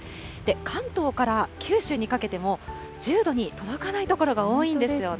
関東から九州にかけても１０度に届かない所が多いんですよね。